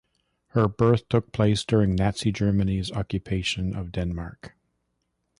Her birth took place during Nazi Germany's Occupation of Denmark.